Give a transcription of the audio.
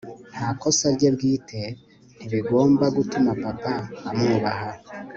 nta kosa rye bwite, ntibigomba gutuma papa amwubaha